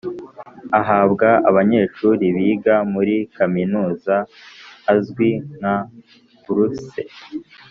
ahabwa abanyeshuri biga muri kaminuza azwi nka buruse.